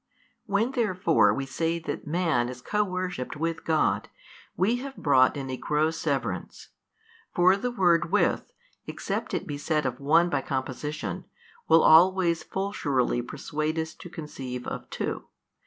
When therefore Ave say that man is co worshipped with God, we have brought in a gross severance. For the word, With, except it be said of one by composition, will always full surely persuade us to conceive of two.